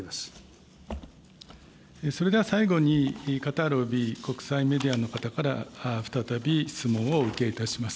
それでは最後に、カタールおよび国際メディアの方から再び質問をお受けいたします。